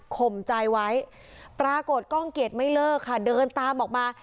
มใจไว้ปรากฏกล้องเกียจไม่เลิกค่ะเดินตามออกมา